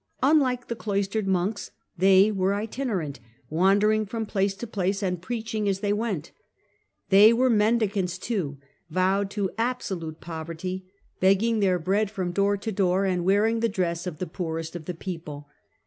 Unlike the cloistered monks, they were "itinerant," wandering from place to place, and preaching as they went. They were " mendicants," too, vowed to absolute poverty, begging their bread from door to door, and 232 THE CENTRAL PERIOD OF THE MIDDLE AGE wearing the dress of the poorest of the people.